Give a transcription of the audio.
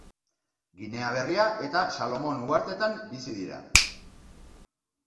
Ginea Berria eta Salomon Uhartetan bizi dira.